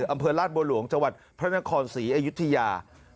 อำเภอราชบัวหลวงจังหวัดพระนครศรีอยุธยา